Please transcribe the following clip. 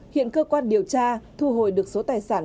hiện cơ quan điều tra thu hồi được số tài sản